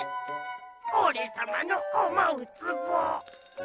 おれさまのおもうつぼ！